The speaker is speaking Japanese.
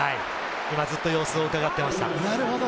今、ずっと様子を伺っていました。